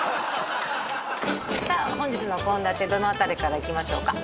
本日の献立どの辺りからいきましょうか？